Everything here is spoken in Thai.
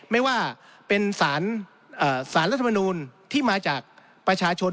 ไม่ว่าเป็นสารรัฐมนูลที่มาจากประชาชน